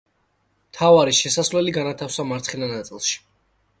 მთავარი შესასვლელი განათავსა მარცხენა ნაწილში.